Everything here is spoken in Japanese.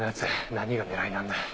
何が狙いなんだ。